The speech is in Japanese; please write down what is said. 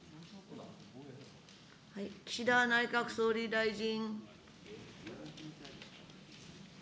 岸田内閣総理大臣。